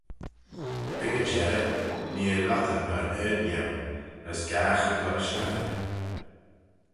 Ec y jerrey nee eh lhottey myr ard-nieu, as gaghey goll-rish adder.